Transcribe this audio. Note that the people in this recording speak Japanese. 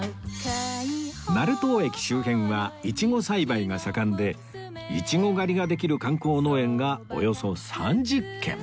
成東駅周辺はイチゴ栽培が盛んでイチゴ狩りができる観光農園がおよそ３０軒